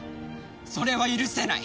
それは許せない。